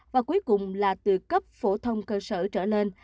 và cuối cùng là từ cấp phổ thông cơ sở trở lên